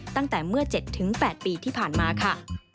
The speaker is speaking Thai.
ตั้งแต่เมื่อ๗๘ปีที่ผ่านมาค่ะ